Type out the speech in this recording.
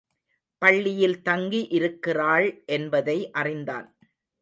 பள்ளியில் தங்கி இருக்கிறாள் என்பதை அறிந்தான்.